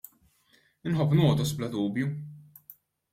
Inħobb nogħdos bla dubju.